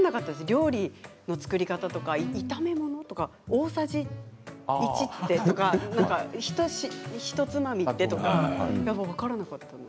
料理の作り方とか、炒め物とか大さじ１ってどれくらい？とかひとつまみ？とか分からなかったので。